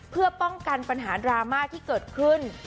เพื่อป้องกันปัญหาดราม่าที่เกิดขึ้น